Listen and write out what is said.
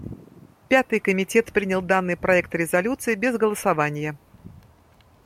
Пятый комитет принял данный проект резолюции без голосования.